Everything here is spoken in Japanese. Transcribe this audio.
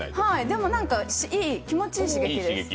でも気持ちいい刺激です。